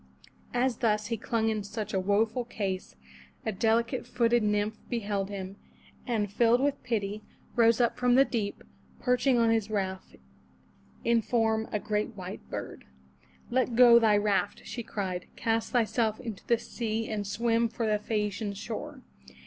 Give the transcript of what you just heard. As thus he clung in such a woeful case, a delicate footed nymph beheld him, and filled with pity, rose up from the deep, perching on his raft, in form a great white bird. "Let go thy raft," she cried. "Cast thyself into the sea and swim for the Phae a'ci an shore.